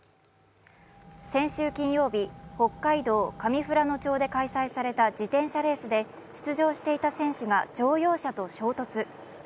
先週金曜日、北海道上富良野町で開催された自転車レースで出場していた選手が乗用車と衝突。